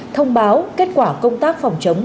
thông báo kết quả công tác phòng chống